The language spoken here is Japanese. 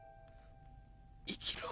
生きろ。